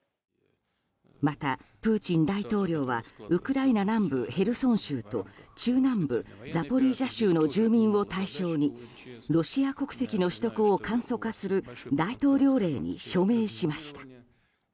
また、プーチン大統領はウクライナ南部ヘルソン州と中南部ザポリージャ州の住民を対象にロシア国籍の取得を簡素化する大統領令に署名しました。